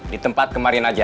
di tempat kemarin aja